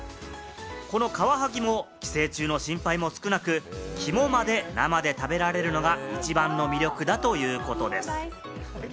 このカワハギも寄生虫の心配も少なく、肝まで生で食べられるのが一番の魅力だということです。